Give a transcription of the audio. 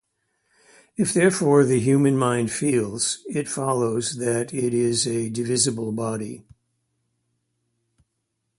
If therefore the human mind feels, it follows that it is a divisible body.